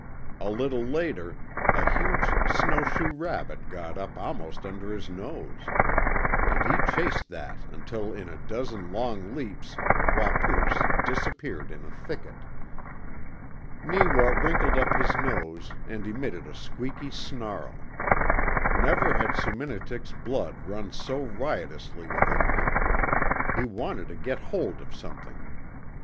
A little later a huge snow shoe rabbit got up almost under his nose, and he chased that until in a dozen long leaps Wapoos disappeared in a thicket. Neewa wrinkled up his nose and emitted a squeaky snarl. Never had Soominitik's blood run so riotously within him. He wanted to get hold of something.